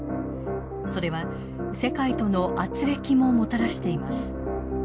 それは世界とのあつれきももたらしています。